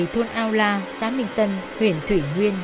thôn aola xã minh tân huyền thủy nguyên